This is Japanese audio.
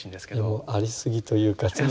ありすぎというか。